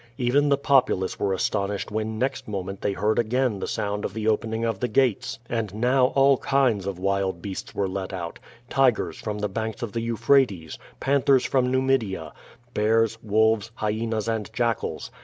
Even the populace were aston ished when next moment they heard again the sound of the opening of the gates. And now all kinds of wild beasts were let out — tigers from the banks of the Euphrates, pan thers from Numidia, bears, wolves, hyenas and jackals.